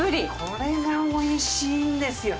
これが美味しいんですよ。